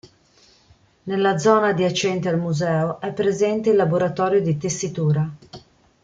Nella zona adiacente al museo è presente il laboratorio di tessitura.